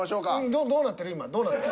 どうなってる？